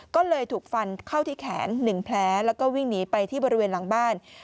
ก็เลยถูกฟันเข้าที่แขน๑แผลแล้วก็วิ่งหนีไปที่บริเวณหลังบ้าน